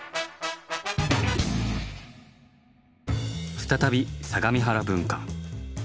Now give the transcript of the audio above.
再び相模原分館。